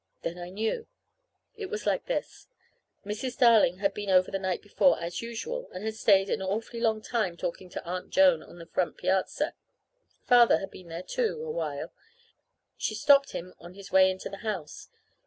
Then I knew. It was like this: Mrs. Darling had been over the night before as usual, and had stayed an awfully long time talking to Aunt Jane on the front piazza. Father had been there, too, awhile. She stopped him on his way into the house.